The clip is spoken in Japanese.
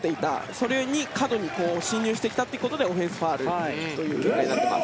それに過度に侵入してきたということでオフェンスファウルという結果になっています。